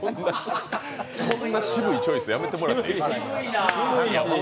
そんな渋いチョイスやめてもらっていいですか。